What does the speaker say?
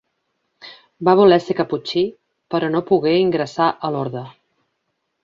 Va voler ser caputxí, però no pogué ingressar a l'orde.